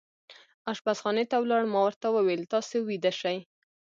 اشپزخانې ته ولاړ، ما ورته وویل: تاسې ویده شئ.